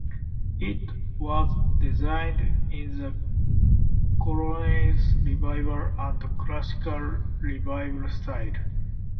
It was designed in the Colonial Revival and Classical Revival styles.